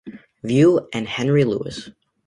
View" and "Henry Lewis".